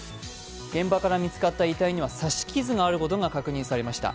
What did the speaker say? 現場から見つかった遺体には刺し傷があることが確認されました。